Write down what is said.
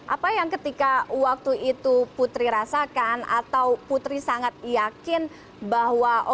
apa yang ketika waktu itu putri rasakan atau putri sangat yakin bahwa